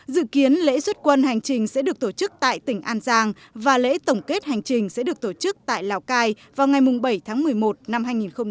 dự kiến lễ xuất quân hành trình sẽ được tổ chức tại tỉnh an giang và lễ tổng kết hành trình sẽ được tổ chức tại lào cai vào ngày bảy tháng một mươi một năm hai nghìn một mươi chín